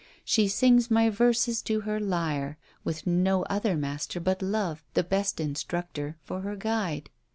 She sings my verses to her lyre, with no other master but love, the best instructor, for her guide.